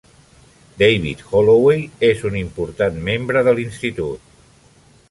David Holloway és un important membre de l'institut.